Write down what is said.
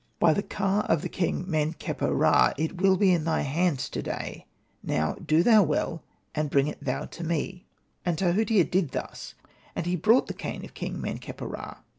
By the ka of the King Men kheper ra it will be in thy hands to day ; now do thou well and bring thou it to me." And Tahutia did thus, and he brought the cane of King Men kheper ra.